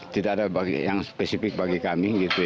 tidak ada yang spesifik bagi kami